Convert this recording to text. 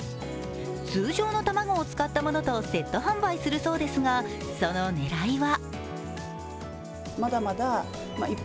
通常の卵を使ったものとセット販売するそうですがその狙いは？